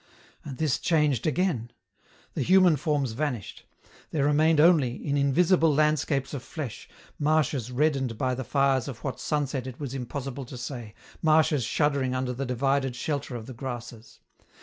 And this changed again. The human forms vanished. There remained only, in invisible landscapes of flesh, marshes reddened by the fires of what sunset it was impossible to say, marshes shudder ing under the divided shelter of the grasses.